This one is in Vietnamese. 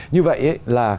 như vậy là